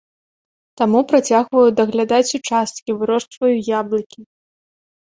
Таму працягваю даглядаць участкі, вырошчваю яблыкі.